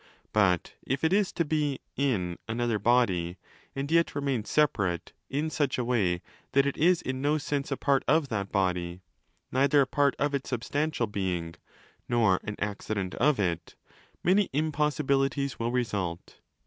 But if it is to be 'in' another body and yet remains 'separate' in such a way that it is in no sense a part of that body (neither a part of its substantial being nor an 'accident' of it), many impossibilities will result.